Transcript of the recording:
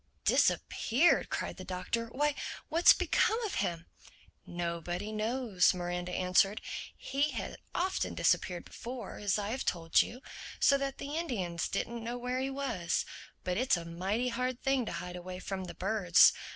_" "Disappeared!" cried the Doctor. "Why, what's become of him?" "Nobody knows," Miranda answered. "He had often disappeared before, as I have told you—so that the Indians didn't know where he was. But it's a mighty hard thing to hide away from the birds.